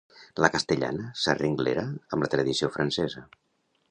La castellana s'arrenglera amb la tradició francesa.